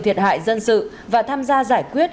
thiệt hại dân sự và tham gia giải quyết